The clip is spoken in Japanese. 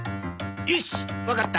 よしわかった。